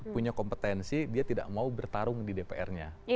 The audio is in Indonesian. punya kompetensi dia tidak mau bertarung di dpr nya